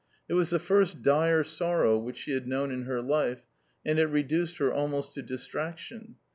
It was the first dire sorrow which she had known in her life, and it reduced her almost to distraction.